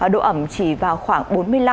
độ ẩm chỉ vào khoảng bốn mươi năm năm mươi năm